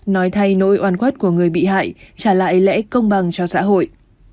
nói thay nỗi oan khuất của người bị hại trả lại lẽ công bằng cho xã hội